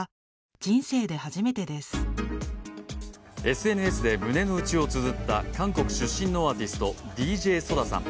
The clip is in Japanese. ＳＮＳで胸のうちをつづった韓国出身のアーティスト・ＤＪＳＯＤＡさん。